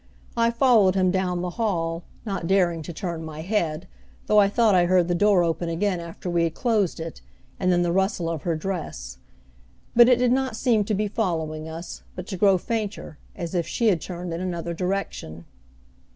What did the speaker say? I followed him down the hall, not daring to turn my head, though I thought I heard the door open again after we had closed it, and then the rustle of her dress; but it did not seem to be following us, but to grow fainter, as if she had turned in another direction.